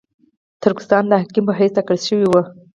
ترکستان د حاکم په حیث ټاکل شوی وو.